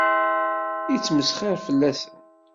Yettmesxir fell-asen.